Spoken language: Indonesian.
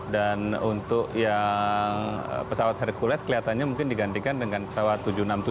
dan untuk yang pesawat hercules kelihatannya mungkin digantikan dengan pesawat tujuh ratus enam puluh tujuh